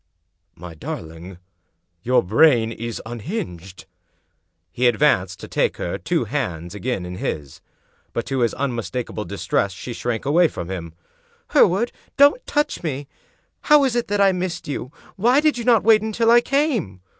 "My darling, your brain is unhinged 1" He advanced to take her two hands again in his; but, to his unmistakable distress, she shrank away from him. " Hereward — don't touch me. How is it that I missed you? Why did you not wait until I came?"